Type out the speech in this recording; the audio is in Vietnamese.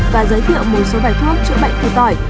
và giới thiệu một số bài thuốc chữa bệnh từ tỏi